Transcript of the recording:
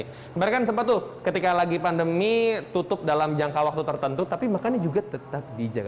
kemarin kan sempat tuh ketika lagi pandemi tutup dalam jangka waktu tertentu tapi makannya juga tetap dijaga